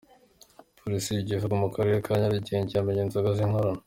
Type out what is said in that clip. Polisi y’igihugu mu karere ka nyarugenge yamenye inzoga z’inkorano.